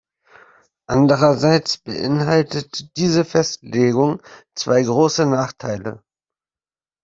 Andererseits beinhaltet diese Festlegung zwei große Nachteile.